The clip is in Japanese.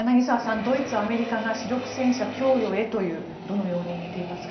ドイツ、アメリカが主力戦車供与へとどのように見ていますか。